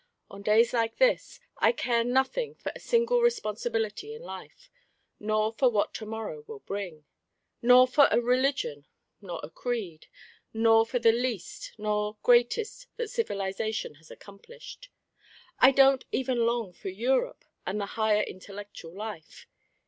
"On days like this, I care nothing for a single responsibility in life, nor for what to morrow will bring, nor for a religion nor a creed, nor for the least nor greatest that civilisation has accomplished. I don't even long for Europe and the higher intellectual life.